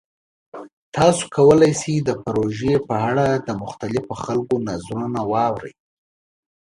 تاسو کولی شئ د پروژې په اړه د مختلفو خلکو نظرونه واورئ.